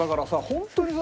本当にさ